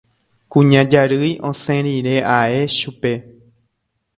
Kuña Jarýi osẽ rire ae chupe.